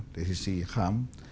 dari sisi ham